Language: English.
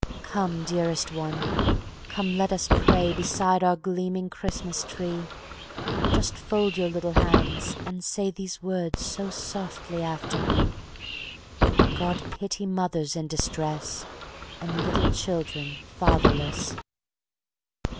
Come, dearest one; come, let us pray Beside our gleaming Christmas tree; Just fold your little hands and say These words so softly after me: "God pity mothers in distress, And little children fatherless."